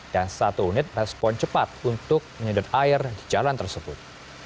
dan satu unit respon cepat untuk menyedot air di jalan tersebut